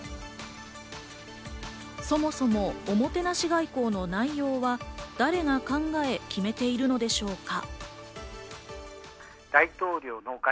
そもそも、おもてなし外交の内容は誰が考え、決めているのでしょうか？